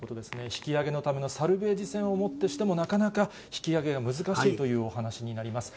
引き上げのためのサルベージ船をもってしてもなかなか引き上げが難しいというお話になります。